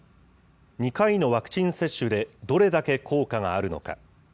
２回のワクチン接種でどれだけ効果があるのか。